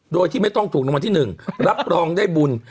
โดยที่ไม่ต้องถูกรางวัลที่๑รับรองได้บุญ